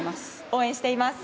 応援しています。